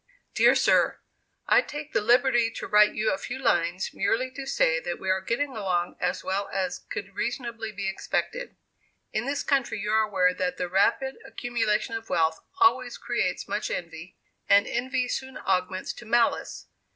DEAR SIR, I take the liberty to write you a few lines, merely to say that we are getting along as well as could reasonably be expected. In this country you are aware that the rapid accumulation of wealth always creates much envy, and envy soon augments to malice.